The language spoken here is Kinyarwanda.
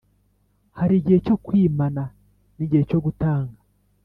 Harigihe cyo kwimana nigihe cyo gutanga